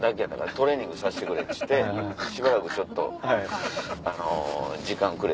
「トレーニングさしてくれ」っちゅって「しばらくちょっと時間くれ」